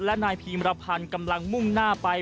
และนายพีมรพันธ์กำลังมุ่งหน้าไป